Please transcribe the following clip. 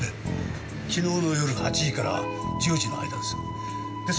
昨日の夜８時から１０時の間です。